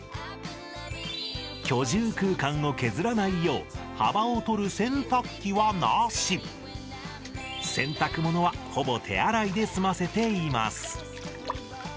居住空間を削らないよう幅を取る洗濯機はなし洗濯物はほぼ手洗いで済ませています